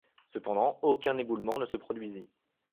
Cependant, aucun éboulement ne se produisit.